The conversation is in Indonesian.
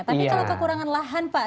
tapi kalau kekurangan lahan pak